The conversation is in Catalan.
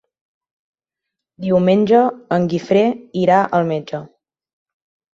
Diumenge en Guifré irà al metge.